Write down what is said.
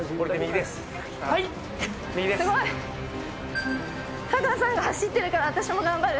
すごい！太川さんが走ってるから私も頑張る！